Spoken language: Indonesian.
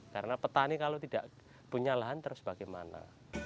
karena petani kalau tidak punya lahan terus bagaimana